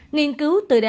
nghiên cứu tự đảm bảo